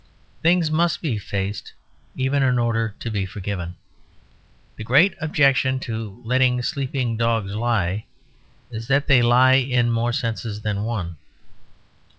Things must be faced, even in order to be forgiven; the great objection to "letting sleeping dogs lie" is that they lie in more senses than one.